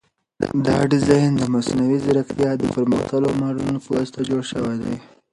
دا ډیزاین د مصنوعي ځیرکتیا د پرمختللو ماډلونو په واسطه جوړ شوی دی.